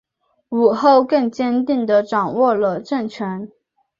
武后更坚定地掌握了政权。